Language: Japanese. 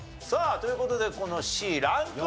という事でこのＣランクは？